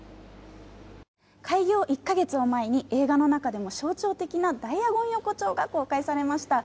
開業１か月を前に映画の中でも象徴的なダイアゴン横丁が公開されました。